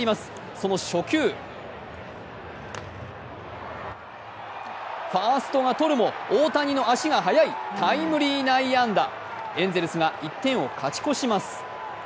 その初球、ファーストがとるも大谷の足が速いタイムリー内野安打エンゼルスが１点を勝ち越します。